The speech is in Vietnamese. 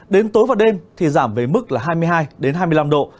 đến tối và đêm thì giảm về mức là hai mươi hai hai mươi năm độ